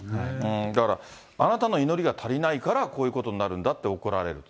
だからあなたの祈りが足りないからこういうことになるんだって怒られる。